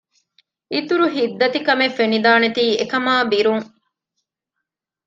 އިތުރު ހިތްދަތިކަމެއް ފެނިދާނެތީ އެކަމާ ބިރުން